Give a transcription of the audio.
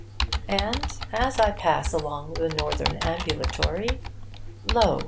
And, as I pass along the North Ambulatory, lo!